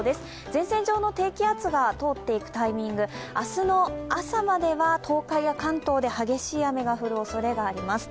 前線上の低気圧が通っていくタイミング、明日の朝までは東海や関東で激しい雨が降るおそれがあります。